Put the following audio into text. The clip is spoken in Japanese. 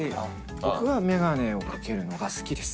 僕は眼鏡をかけるのが好きです。